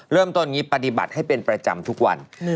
เริ่มต้นอย่างนี้ปฏิบัติให้เป็นประจำทุกวัน